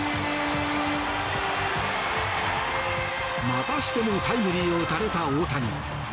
またしてもタイムリーを打たれた大谷。